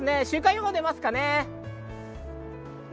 週間予報、出ますかね。